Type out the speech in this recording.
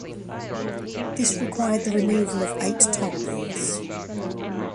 This required the removal of eight toll booths.